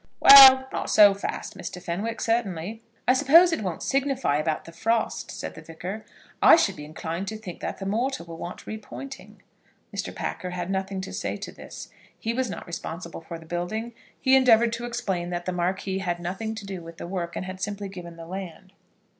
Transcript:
"Well, not so fast, Mr. Fenwick, certainly." "I suppose it won't signify about the frost?" said the Vicar. "I should be inclined to think that the mortar will want repointing." Mr. Packer had nothing to say to this. He was not responsible for the building. He endeavoured to explain that the Marquis had nothing to do with the work, and had simply given the land.